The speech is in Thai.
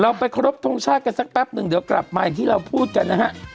เราไปค้นรพทองชาติกันสักแป๊บหนึ่งเดี๋ยวกลับไปที่เราพูดกันนะครับ